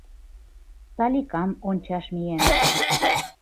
«Саликам» ончаш миен